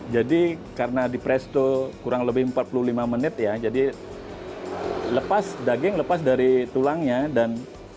jadi karena di presto kurang lebih empat puluh lima menit ya jadi lepas daging lepas dari tulangnya dan